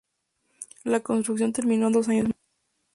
La construcción terminó dos años más tarde.